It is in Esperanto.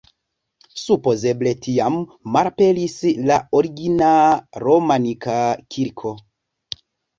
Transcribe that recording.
Supozeble tiam malaperis la origina romanika kirko.